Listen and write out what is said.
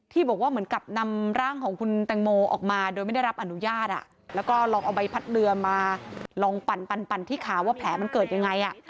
บอกว่าเหมือนกับนำร่างของคุณแตงโมออกมาโดยไม่ได้รับอนุญาตแล้วก็ลองเอาใบพัดเรือมาลองปั่นที่ขาว่าแผลมันเกิดยังไง